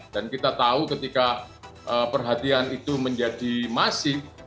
dan kita tahu ketika perhatian itu menjadi masif